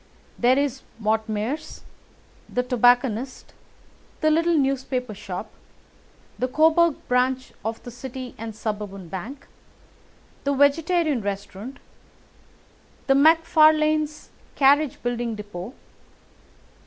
There is Mortimer's, the tobacconist, the little newspaper shop, the Coburg branch of the City and Suburban Bank, the Vegetarian Restaurant, and McFarlane's carriage building depot.